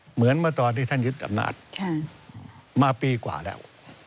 เหมือนเมื่อตอนที่ท่านยึดอำนาจมาปีกว่าแล้ว